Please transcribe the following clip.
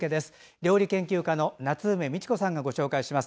料理研究家の夏梅美智子さんがご紹介します。